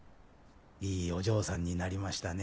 いいお嬢さんになりましたね。